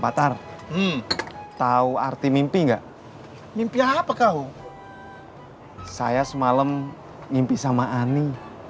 batar tahu arti mimpi enggak mimpi apa kau saya semalam mimpi sama ani